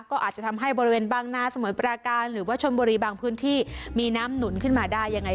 ก็อาจจะทำให้บริเวณบางนาสมุทรปราการหรือว่าชนบุรีบางพื้นที่มีน้ำหนุนขึ้นมาได้ยังไง